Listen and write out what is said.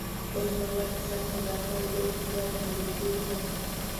اوس په افغانستان کې د هر ذوق کتاب موندل کېږي.